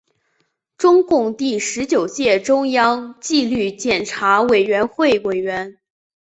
中共第十九届中央纪律检查委员会委员。